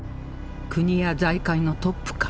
国や財界のトップか？